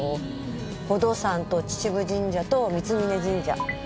宝登山と秩父神社と三峯神社。